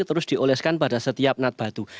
terus dioleskan pada setiap nat batu